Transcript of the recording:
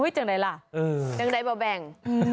จังใดล่ะจังใดบ่แบ่ง